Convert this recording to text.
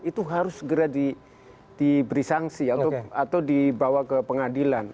itu harus segera diberi sanksi atau dibawa ke pengadilan